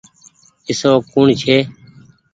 اشوڪ ڪوڻ ڇي۔